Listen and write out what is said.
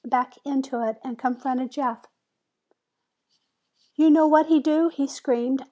back into it, and confronted Jeff. "You know what he do?" he screamed.